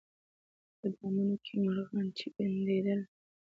په دامونو کي مرغان چي بندېدله